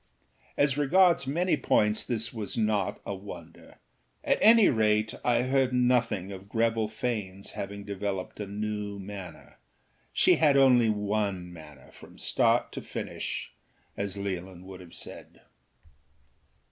As regards many points this was not a wonder; at any rate I heard nothing of Greville Faneâs having developed a new manner. She had only one manner from start to finish, as Leolin would have said.